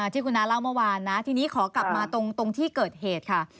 ที่คุณน้าเล่าเมื่อวานนะทีนี้ขอกลับมาตรงที่เกิดเหตุค่ะ